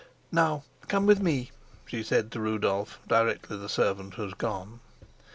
"Now come with me," she said to Rudolf, directly the servant was gone.